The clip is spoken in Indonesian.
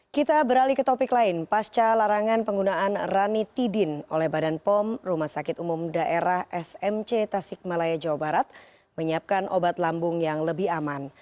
kita beralih ke topik lain pasca larangan penggunaan ranitidin oleh badan pom rumah sakit umum daerah smc tasik malaya jawa barat menyiapkan obat lambung yang lebih aman